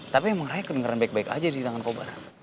tapi emang raya kedengeran baik baik aja di tangan kobaran